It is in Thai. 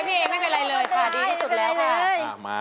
ดีที่สุดแล้วค่ะ